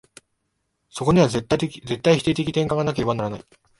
そこには絶対否定的転換がなければならない。